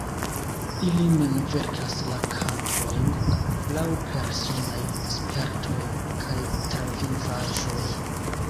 Ili mem verkas la kantojn, laŭ personaj spertoj kaj travivaĵoj.